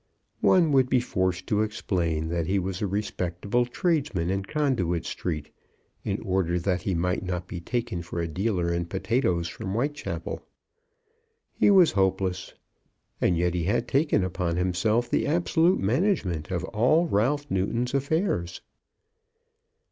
One would be forced to explain that he was a respectable tradesman in Conduit Street in order that he might not be taken for a dealer in potatoes from Whitechapel. He was hopeless. And yet he had taken upon himself the absolute management of all Ralph Newton's affairs!